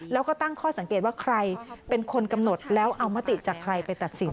แล้วก็ตั้งข้อสังเกตว่าใครเป็นคนกำหนดแล้วเอามติจากใครไปตัดสิน